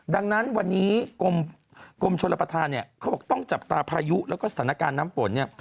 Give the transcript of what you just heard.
ดังนั้นวันนี้กรมชนประธานเนี่ยเขาบอกต้องจับตาพายุแล้วก็สถานการณ์น้ำฝนเนี่ย